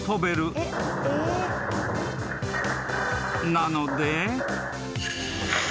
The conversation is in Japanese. ［なので］